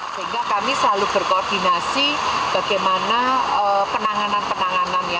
sehingga kami selalu berkoordinasi bagaimana penanganan penanganannya